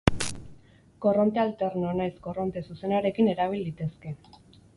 Korronte alterno nahiz korronte zuzenarekin erabil litezke.